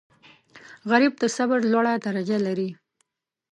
غریب د صبر لوړه درجه لري